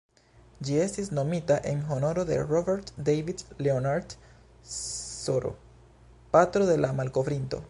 Ĝi estis nomita en honoro de "Robert David Leonard Sr.", patro de la malkovrinto.